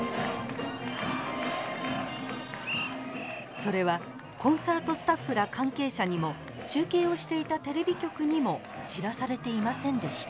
それはコンサートスタッフら関係者にも中継をしていたテレビ局にも知らされていませんでした。